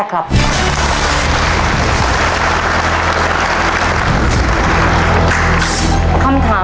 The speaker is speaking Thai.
ขอบคุณค่ะ